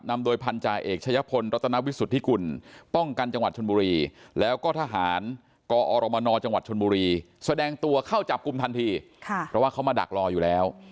นำโดยพันธุ์จ่ายเอกชะยะพลรัฐนาวิสุธิกุล